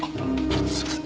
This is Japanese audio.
すいません。